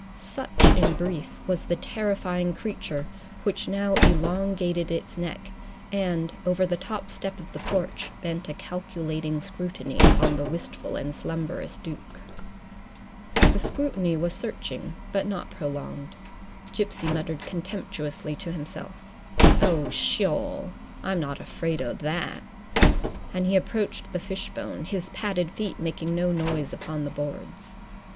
Such, in brief, was the terrifying creature which now elongated its neck, and, over the top step of the porch, bent a calculating scrutiny upon the wistful and slumberous Duke. The scrutiny was searching but not prolonged. Gipsy muttered contemptuously to himself, "Oh, sheol; I'm not afraid o' that!" And he approached the fishbone, his padded feet making no noise upon the boards.